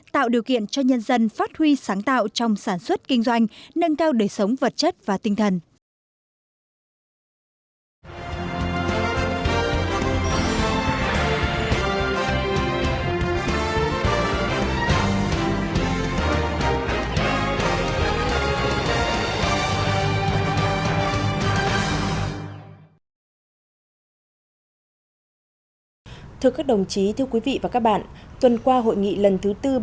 tạo điều kiện cho nhân dân phát huy sáng tạo trong sản xuất kinh doanh nâng cao đời sống vật chất và tinh thần